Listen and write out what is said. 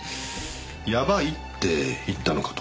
やばいって言ったのかと。